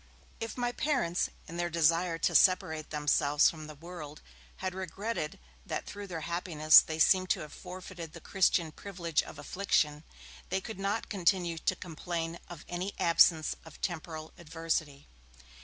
If my parents, in their desire to separate themselves from the world, had regretted that through their happiness they seemed to have forfeited the Christian privilege of affliction, they could not continue to complain of any absence of temporal adversity.